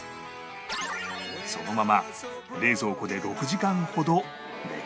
そのまま冷蔵庫で６時間ほど寝かせる